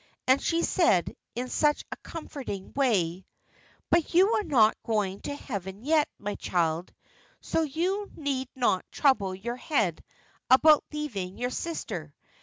And she said, in such a comforting way, "'But you are not going to heaven yet, my child, so you need not trouble your head about leaving your sister.